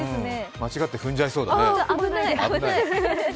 間違って踏んじゃいそうだね、危ない。